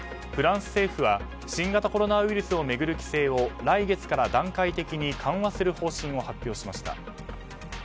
フランス政府は新型コロナウイルスを巡る規制を来月から段階的に緩和する方針を発表しました。